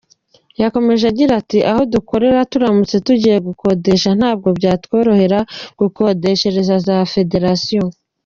Yakomeje agira ati “Aho dukorera turamutse tugiye gukodesha, ntabwo byatworohera gukodeshereza za federasiyo.